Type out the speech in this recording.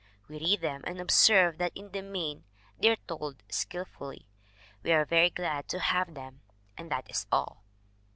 We read them and observe that in the main they are told skillfully. We are very glad to have them and that is all.